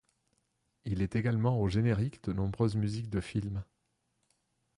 Il est également au générique de nombreuses musiques de films.